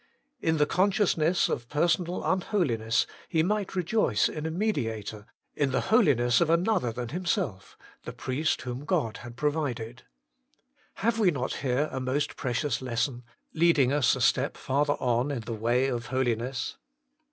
In the consciousness of personal unholiness he might rejoice in a mediator, in the holiness of Another than himself, the priest whom God had provided. Have we not here a most precious lesson, leading us a step farther on in the way of holiness